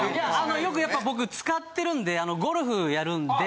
よくやっぱ僕使ってるんでゴルフやるんで。